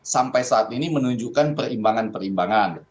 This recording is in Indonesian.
sampai saat ini menunjukkan perimbangan perimbangan